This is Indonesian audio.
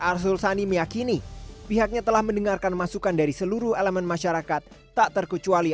arsul sani meyakini pihaknya telah mendengarkan masukan dari seluruh elemen masyarakat tak terkecuali